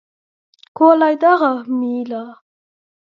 Ko lai dara, mīļā.